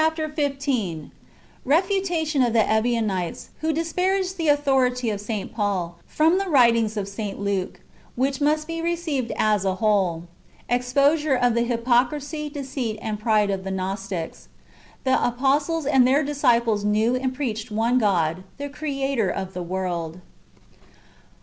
xv. — Refutation of the Ebionites, iclio disparaged tlie autliority of St. Paul^ from the icritings of St. LiiJce, ivhich must he received as a ivhole. Exposure of the hypocrisy, deceit, and pride of the Gnostics. The apostles and their disciples knew and preached one God, the Creator of the luorld.